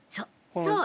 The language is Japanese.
そう。